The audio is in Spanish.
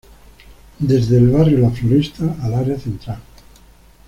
Desde barrio La Floresta al Área central.